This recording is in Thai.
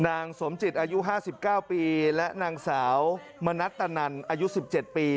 นางสมจิตอายุ๕๙ปีและนางสาวมณัตตนันอายุ๑๗ปี